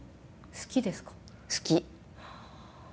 好き。